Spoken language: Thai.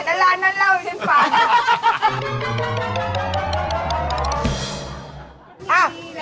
แบบร้านนั่นเล่าเลยมาปัด